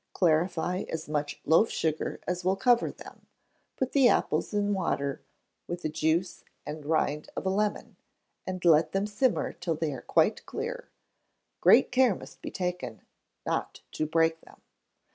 Clarify as much loaf sugar as will cover them; put the apples in water with the juice and rind of a lemon, and let them simmer till they are quite clear; great care must be taken not to break them.